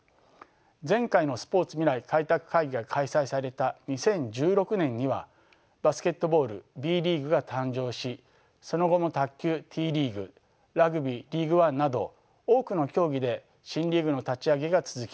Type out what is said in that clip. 前回のスポーツ未来開拓会議が開催された２０１６年にはバスケットボールＢリーグが誕生しその後も卓球Ｔリーグラグビーリーグワンなど多くの競技で新リーグの立ち上げが続きました。